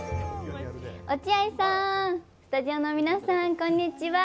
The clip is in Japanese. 落合さん、スタジオの皆さんこんにちは。